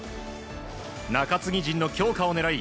中継ぎ陣の強化を狙い